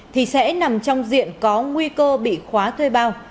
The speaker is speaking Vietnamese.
thì sẽ nằm trong diện có nguy cơ bị khóa thuê bao